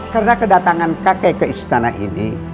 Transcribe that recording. karena kedatangan kakek ke istana ini